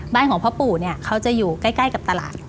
บ้านของพ่อปู่เขาจะอยู่ใกล้กับตลาด